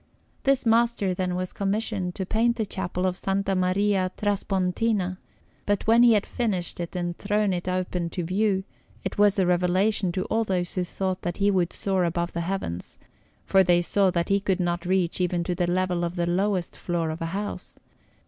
This master, then, was commissioned to paint the Chapel of S. Maria Traspontina; but when he had finished it and thrown it open to view, it was a revelation to all those who thought that he would soar above the heavens, for they saw that he could not reach even to the level of the lowest floor of a house.